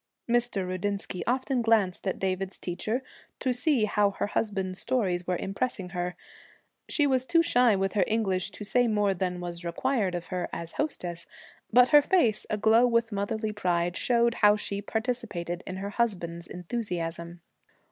Mrs. Rudinsky often glanced at David's teacher, to see how her husband's stories were impressing her. She was too shy with her English to say more than was required of her as hostess, but her face, aglow with motherly pride, showed how she participated in her husband's enthusiasm.